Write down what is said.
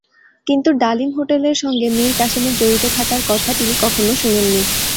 কিন্তু ডালিম হোটেলের সঙ্গে মীর কাসেমের জড়িত থাকার কথা তিনি কখনো শোনেননি।